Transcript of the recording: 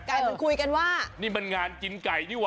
แก่มันคุยกันว่าอันนี้มันงานจิ้นไก่นี่หวะ